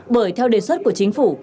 bởi theo đề xuất của chính phủ